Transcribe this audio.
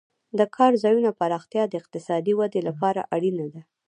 د کار ځایونو پراختیا د اقتصادي ودې لپاره اړینه ده.